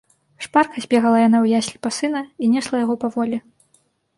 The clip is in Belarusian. Шпарка збегала яна ў яслі па сына і несла яго паволі.